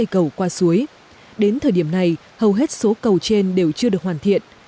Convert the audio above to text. chính vì vậy các cầu trên đều chưa được hoàn thiện